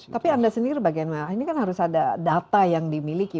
tapi anda sendiri bagaimana ini kan harus ada data yang dimiliki